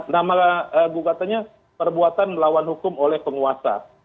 nama gugatannya perbuatan melawan hukum oleh penguasa